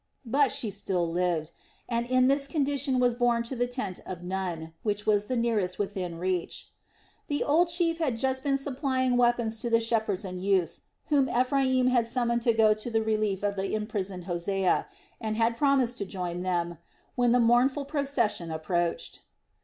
But she still lived, and in this condition was borne to the tent of Nun, which was the nearest within reach. The old chief had just been supplying weapons to the shepherds and youths whom Ephraim had summoned to go to the relief of the imprisoned Hosea, and had promised to join them, when the mournful procession approached.